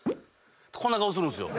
こんな顔するんですよ。